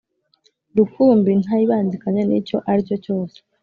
rukumbi ntayibangikanye nicyo aricyo cyose